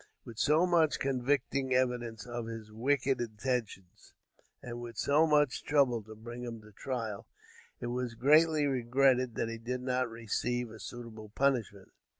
With so much convicting evidence of his wicked intentions, and with so much trouble to bring him to trial, it was greatly regretted, that he did not receive a suitable punishment.